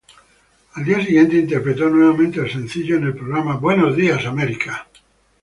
Al día siguiente interpretó nuevamente el sencillo en el programa "Good Morning America".